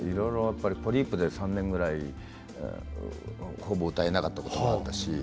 ポリープで、３年ぐらいほぼ歌えなかったこともありましたし。